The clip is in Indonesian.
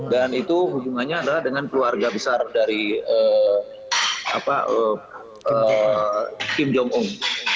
dan itu hubungannya adalah dengan keluarga besar dari kim jong un